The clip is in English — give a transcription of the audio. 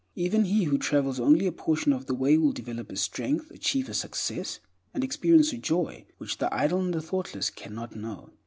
Even he who travels only a portion of the way will develop a strength, achieve a success, and experience a joy which the idle and the thoughtless cannot know.